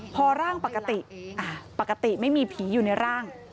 พอร่างปกติปกติไม่มีผีอยู่ในร่าง